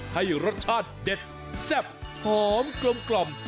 ให้รสชาติเด็ดแซ่บหอมกลม